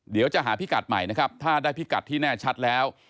เดี๋ยวจะหาพิกัดใหม่นะครับถ้าได้พิกัดที่แน่ชัดแล้ว